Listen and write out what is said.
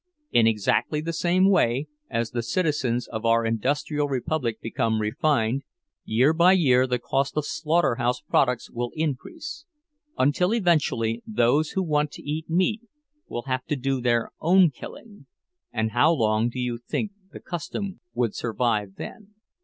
In exactly the same way, as the citizens of our Industrial Republic become refined, year by year the cost of slaughterhouse products will increase; until eventually those who want to eat meat will have to do their own killing—and how long do you think the custom would survive then?